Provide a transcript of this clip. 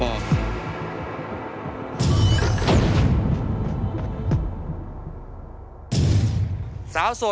สาวสวดของเรารู้แล้วนะว่า